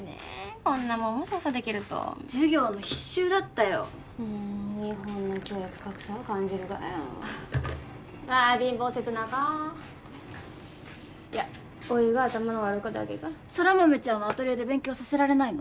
こんなもんも操作できると授業の必修だったよう日本の教育格差を感じるがよああ貧乏切なかいやおいが頭の悪かだけか空豆ちゃんはアトリエで勉強させられないの？